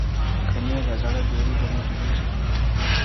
کنې دا زړه بېړی به مو ډوبېږي,